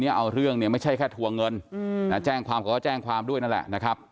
เอาเรื่องเนี่ยไม่ใช่แค่ทวงเงินแจ้งความเขาก็แจ้งความด้วยนั่นแหละนะครับ